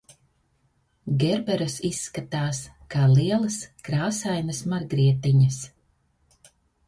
Gerberas izskat?s k? lielas, kr?sainas margrieti?as.